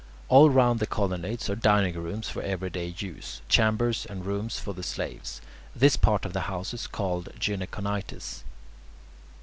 All round the colonnades are dining rooms for everyday use, chambers, and rooms for the slaves. This part of the house is termed "gynaeconitis."